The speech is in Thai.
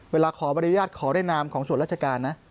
เวลาขอบริญญาติขอแนะนำของส่วนราชการนะ